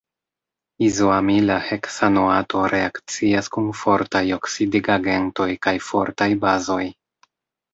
Izoamila heksanoato reakcias kun fortaj oksidigagentoj kaj fortaj bazoj.